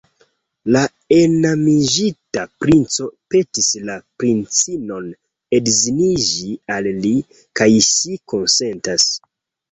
La enamiĝinta princo petis la princinon edziniĝi al li, kaj ŝi konsentas.